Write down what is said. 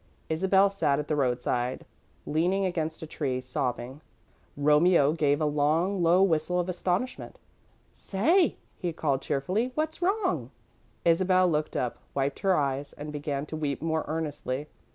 Isabel sat at the roadside, leaning against a tree, sobbing. Romeo gave a long, low whistle of astonishment. "Say," he called, cheerfully, "what's wrong?" Isabel looked up, wiped her eyes, and began to weep more earnestly.